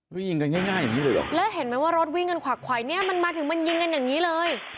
วิ่งกันง่ายอย่างนี้เลยเหรอแล้วเห็นไหมว่ารถวิ่งกันขวักไขวเนี่ยมันมาถึงมันยิงกันอย่างนี้เลย